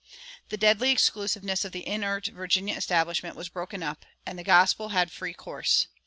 The deadly exclusiveness of the inert Virginia establishment was broken up, and the gospel had free course.